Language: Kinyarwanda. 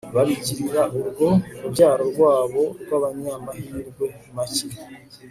babigirira urwo rubyaro rwabo rwabanyamahirwe make